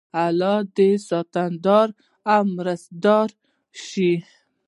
الله تعالی دې ساتندوی او مرستندوی شه